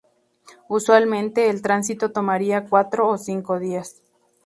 Usualmente el tránsito tomaría cuatro o cinco días.